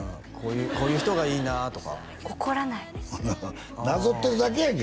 こういう人がいいなとか怒らないなぞってるだけやんけ